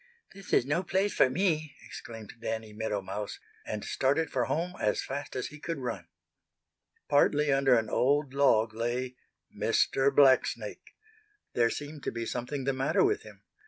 "This is no place for me!" exclaimed Danny Meadow Mouse, and started for home as fast as he could run. Partly under an old log lay Mr. Blacksnake. There seemed to be something the matter with him.